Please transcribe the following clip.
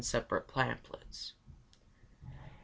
(7 separate pamphlets.) 4.